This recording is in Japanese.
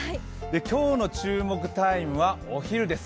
今日の注目タイムはお昼です。